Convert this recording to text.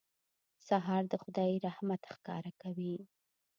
سهار د خدای رحمت ښکاره کوي.